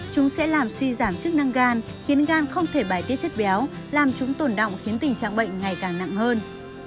chúng sẽ làm suy giảm chức năng gan khiến gan không thể bài tiết chất béo làm chúng tổn động khiến tình trạng bệnh ngày càng nặng hơn